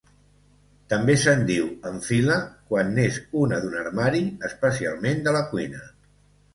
També se'n diu enfila quan n'és una d'un armari, especialment de la cuina.